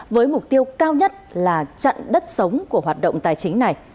với mục tiêu cao nhất là chặn đất sống của hoạt động tài chính này